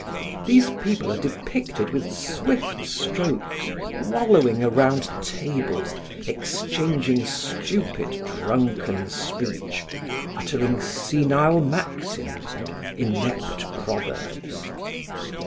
These people are depicted with swift strokes, wallowing around tables, exchanging stupid, drunken speech, uttering senile maxims and inept proverbs.